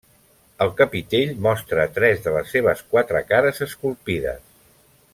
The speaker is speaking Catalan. El capitell mostra tres de les seves quatre cares esculpides.